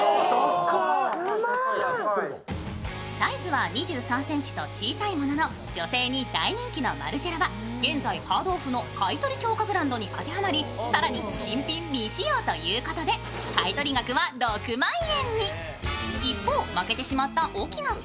サイズは２３ｃｍと小さいものの女性に大人気のマルジェラは現在ハードオフの買い取り強化ブランドに当てはまり更に新品未使用ということで、買取額は６万円に。